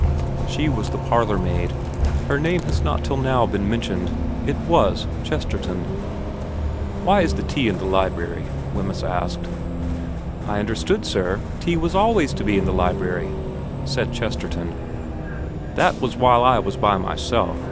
She was the parlourmaid. Her name has not till now been mentioned. It was Chesterton. * Why is tea in the library ?' Wemyss asked. ' I understood, sir, tea was always to be in the library,' said Chesterton. ' That was while I was by myself.